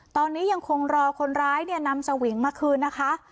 ตอนนี้ยังคงรอคนร้ายเนี่ยนำสวิงมาคืนนะคะ